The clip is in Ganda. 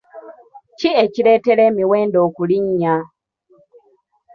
Ki ekireetera emiwendo okulinnya?